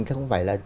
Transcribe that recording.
không phải là